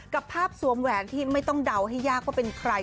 กับภาพสวมแหวนที่ไม่ต้องเดาให้ยากว่าเป็นใคร